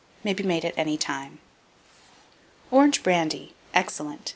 May be made at any time. ORANGE BRANDY. (Excellent.)